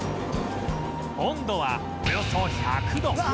温度はおよそ１００度